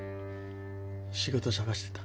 仕事探してた。